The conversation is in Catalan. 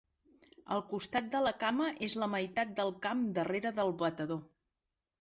El costat de la cama és la meitat del camp "darrere" del batedor.